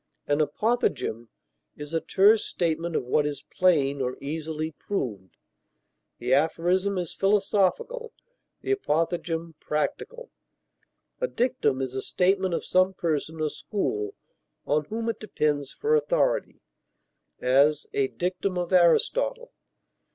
An apothegm is a terse statement of what is plain or easily proved. The aphorism is philosophical, the apothegm practical. A dictum is a statement of some person or school, on whom it depends for authority; as, a dictum of Aristotle.